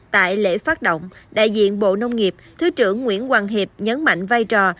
tại lễ phát động đại diện bộ nông nghiệp thứ trưởng nguyễn hoàng hiệp nhấn mạnh vai trò